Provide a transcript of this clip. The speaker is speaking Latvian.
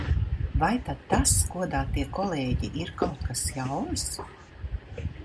Vai tad tas, godātie kolēģi, ir kaut kas jauns?